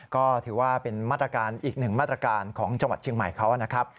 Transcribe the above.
ก็ถือว่าเป็นมาตรการอีกหนึ่งมาตรการของจังหวัดเชียงใหม่เขานะครับ